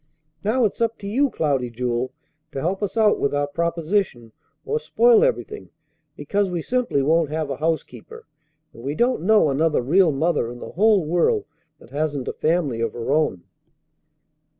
Now it's up to you, Cloudy Jewel, to help us out with our proposition or spoil everything, because we simply won't have a housekeeper, and we don't know another real mother in the whole world that hasn't a family of her own."